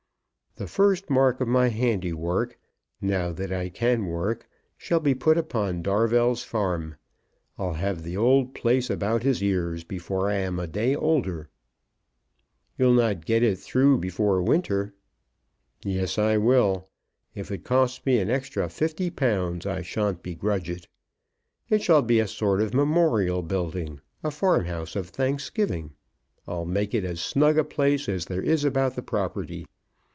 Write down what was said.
The first mark of my handiwork, now that I can work, shall be put upon Darvell's farm. I'll have the old place about his ears before I am a day older." "You'll not get it through before winter." "Yes, I will. If it costs me an extra £50 I shan't begrudge it. It shall be a sort of memorial building, a farmhouse of thanksgiving. I'll make it as snug a place as there is about the property.